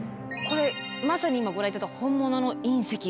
これまさに今ご覧いただいた本物の隕石。